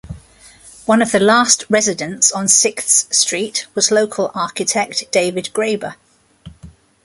One of the last residents on Sixth Street was local architect David Graeber.